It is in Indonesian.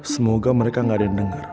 semoga mereka gak ada yang denger